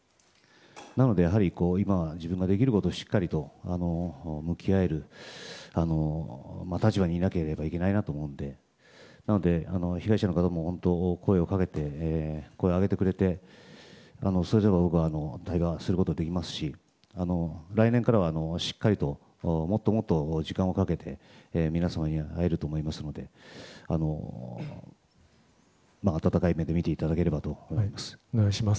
なので今、自分ができることをしっかり向き合える立場になっていかないといけないなと思うのでなので、被害者の方も声をあげてくれてそして僕は対話することもできますし来年からはもっともっと時間をかけて皆さんに会えると思いますので温かい目で見ていただければと思います。